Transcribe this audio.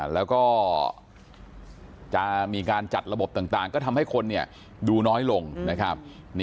แล้วก็จะมีการจัดระบบต่างก็ทำให้คนดูน้อยลงนะครับ